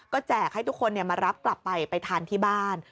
แจกให้ทุกคนมารับกลับไปไปทานที่บ้าน